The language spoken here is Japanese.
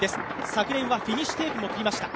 昨年はフィニッシュテープも切りました。